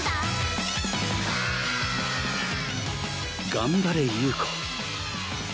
頑張れ優子